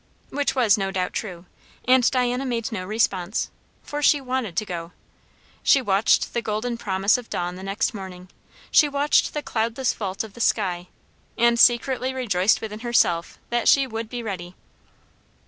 Which was no doubt true, and Diana made no response; for she wanted to go. She watched the golden promise of dawn the next morning; she watched the cloudless vault of the sky, and secretly rejoiced within herself that she would be ready.